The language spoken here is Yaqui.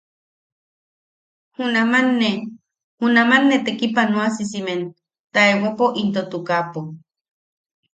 Junaman ne, junaman ne tekipanoasimen taewapo into tukapo.